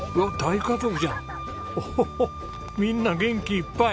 みんな元気いっぱい。